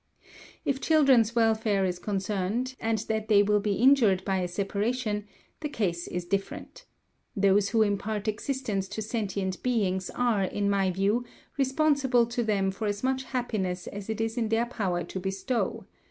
"If children's welfare is concerned, and that they will be injured by a separation, the case is different. Those who impart existence to sentient beings are, in my view, responsible to them for as much happiness as it is in their power to bestow.